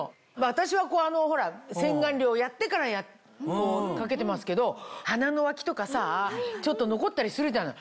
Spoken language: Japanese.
私は洗顔料やってからかけてますけど鼻の脇とかさちょっと残ったりするじゃない？